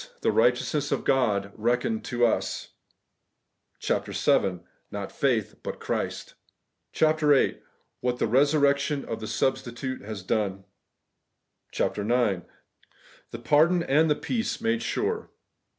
THE RIGHTEOUSNESS OF GOD RECKONED TO US, ... 82 CHAPTER VII. NOT FAITH, BUT CHRIST, ...... .107 CHAPTER VIII. WHAT THE RESURRECTION OF THE SUBSTITUTE HAS DONE, . 126 CHAPTER IX. THE PARDON AND THE PEACE MADE SURE